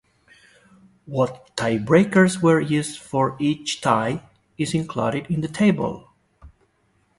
What tiebreakers were used for each tie is included in the table.